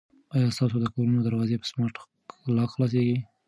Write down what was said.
آیا ستاسو د کور دروازه په سمارټ لاک خلاصیږي؟